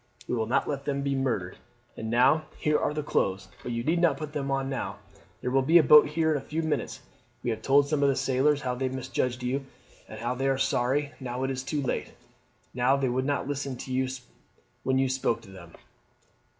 We will not let them be murdered. And now here are the clothes, but you need not put them on now. There will be a boat here in a few minutes. We have told some of the sailors how they misjudged you, and they are sorry, now it is too late, that they would not listen when you spoke to them.